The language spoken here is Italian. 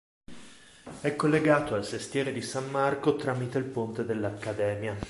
È collegato al sestiere di San Marco tramite il ponte dell'Accademia.